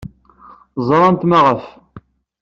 Ẓrant maɣef.